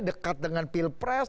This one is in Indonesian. dekat dengan pilpres